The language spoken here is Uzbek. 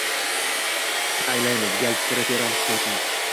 Anglaymiz gall fikri teran hikmatin